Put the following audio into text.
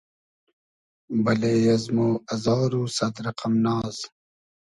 بئلې از مۉ ازار و سئد رئقئم ناز